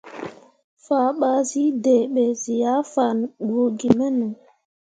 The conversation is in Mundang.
Fah ɓa zǝ deɓe zǝ ah fan bu gimeno.